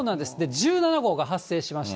１７号が発生しました。